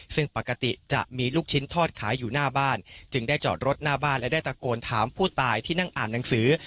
ซึ่งปกติจะมีลูกชิ้นทอดขายอยู่หน้าบ้านจึงได้จอดรถหน้าบ้านและได้ตะโกนถามผู้ตายที่นั่งอ่านหนังสือ